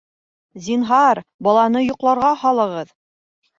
Зинһар, баланы йоҡларға һалығыҙ